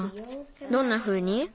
どんなふうに？